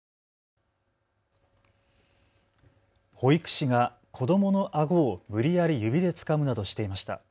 保育士が子どものあごを無理やり指でつかむなどしていました。